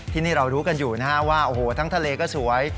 ที่นี่เรารู้กันอยู่นะครับว่าทั้งทะเลก็สวย